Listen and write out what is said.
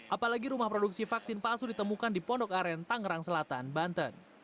apalagi rumah produksi vaksin palsu ditemukan di pondok aren tangerang selatan banten